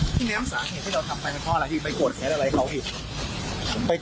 ทีนี้สาเหตุที่เราทำไปมันเพราะอะไรพี่ไปโกรธแค้นอะไรเขาอีก